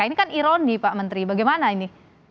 ini kan ironi pak menteri bagaimana ini